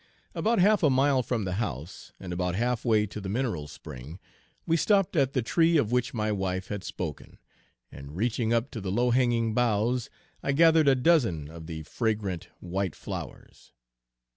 About half a mile from the house, and about half way to the mineral spring, we stopped at the tree of which my wife had spoken, and reaching up to the low hanging boughs, I gathered a dozen of the fragrant white flowers.